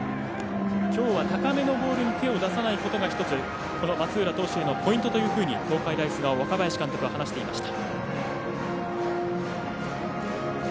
きょうは高めのボールに手を出さないことが１つ、松浦投手へのポイントと東海大菅生、若林監督は話していました。